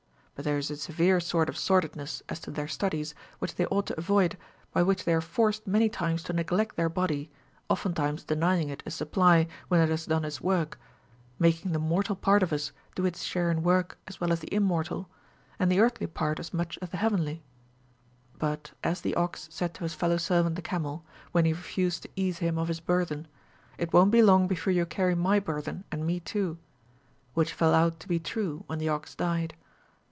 But there is a severe sort of sordid ness as to their studies, which they ought to avoid, by which RULES FOR THE PRESERVATION OF HEALTH. 279 they are forced many times to neglect their body, oftentimes denying it a supply when it has done its Avork, making the mortal part of us do its share in work as well as the im mortal, and the earthly part as much as the heavenly. But, as the ox said to his fellow servant the camel, when he refused to ease him of his burthen. It won't be long before you carry my burthen and me too : which fell out to be true, when the ox died.